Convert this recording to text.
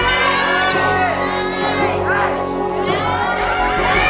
ทุกคนนี้ก็ส่งเสียงเชียร์ทางบ้านก็เชียร์